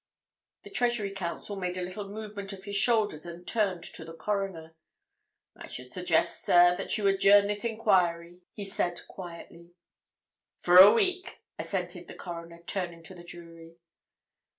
The Treasury Counsel made a little movement of his shoulders and turned to the Coroner. "I should suggest, sir, that you adjourn this enquiry," he said quietly. "For a week," assented the Coroner, turning to the jury.